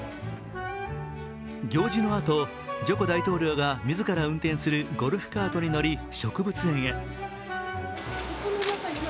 行事のあと、ジョコ大統領が自ら運転するゴルフカートに乗り植物園へ。